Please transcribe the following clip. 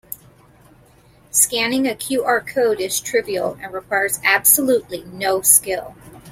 Scanning a QR code is trivial and requires absolutely no skill.